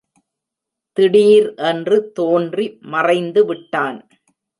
திடீர் என்று தோன்றி மறைந்துவிட்டான்.